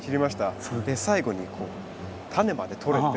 最後にこう種までとれて。